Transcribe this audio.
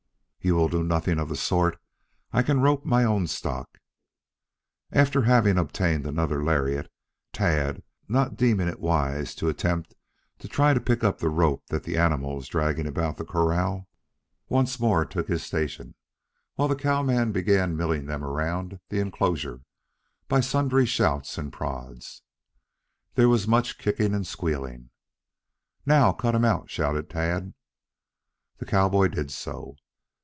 "You will do nothing of the sort. I can rope my own stock." After having obtained another lariat, Tad, not deeming it wise to attempt to try to pick up the rope that the animal was dragging about the corral, once more took his station, while the cowman began milling them around the enclosure by sundry shouts and prods. There was much kicking and squealing. "Now cut him out!" shouted Tad. The cowboy did so.